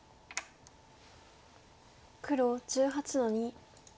黒１８の二。